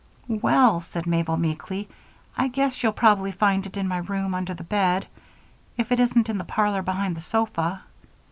"Well," said Mabel, meekly, "I guess you'll probably find it in my room under the bed, if it isn't in the parlor behind the sofa."